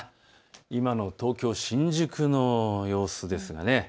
今の東京新宿の様子です。